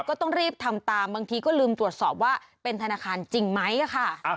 ก็ต้องรีบทำตามบางทีก็ลืมตรวจสอบว่าเป็นธนาคารจริงไหมค่ะ